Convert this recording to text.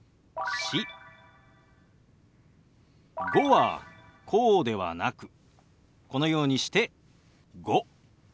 「５」はこうではなくこのようにして「５」。